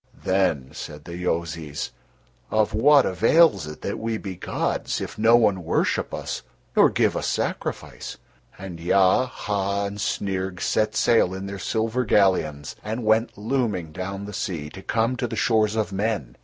Then said the Yozis: "Of what avails it that we be gods if no one worship us nor give us sacrifice?" And Ya, Ha, and Snyrg set sail in their silver galleons, and went looming down the sea to come to the shores of men.